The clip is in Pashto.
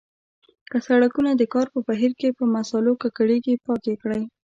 که سړکونه د کار په بهیر کې په مسالو ککړیږي پاک یې کړئ.